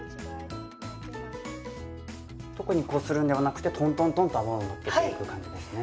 特にこするんではなくてトントントンと泡をのっけていく感じですね。